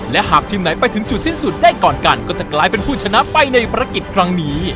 และหากทีมไหนไปถึงจุดสิ้นสุดได้ก่อนกันก็จะกลายเป็นผู้ชนะไปในภารกิจครั้งนี้